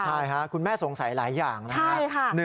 ใช่ค่ะคุณแม่สงสัยหลายอย่างนะครับ